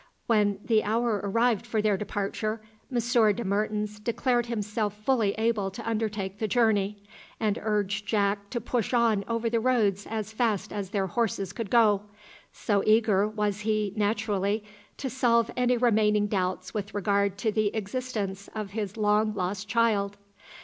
When the hour arrived for their departure, Monsieur de Mertens declared himself fully able to undertake the journey, and urged Jack to push on over the roads as fast as their horses could go, so eager was he naturally to solve any remaining doubts with regard to the existence of his long lost child.